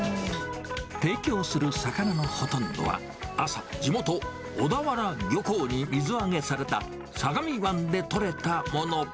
提供する魚のほとんどは、朝、地元、小田原漁港に水揚げされた相模湾で取れたもの。